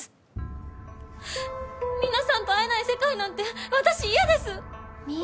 皆さんと会えない世界なんて私嫌です！